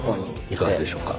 いかがでしょうか？